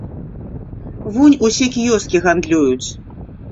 Вунь, усе кіёскі гандлююць.